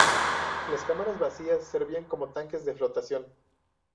Las cámaras vacías servían como tanques de flotación.